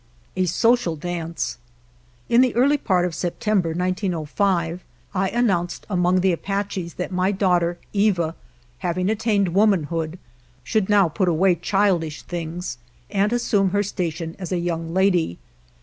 A Social Dance In the early part of September, 1905, I announced among the Apaches that my daughter, Eva, having attained woman hood, should now put away childish things and assume her station as a young lady.